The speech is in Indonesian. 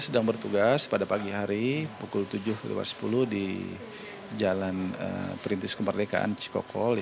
sedang bertugas pada pagi hari pukul tujuh sepuluh di jalan perintis kemerdekaan cikokol